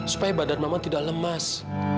supaya badan mama tidak lemas